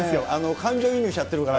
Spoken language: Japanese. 感情移入しちゃってるから。